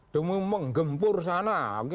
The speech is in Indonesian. demi menggempur sana